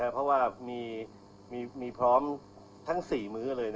เพราะว่ามีพร้อมทั้ง๔มื้อเลย